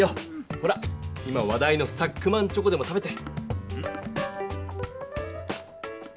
ほら今話題のサックマンチョコでも食べて。